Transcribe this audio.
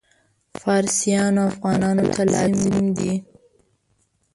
فارسیانو او افغانانو ته لازم دي.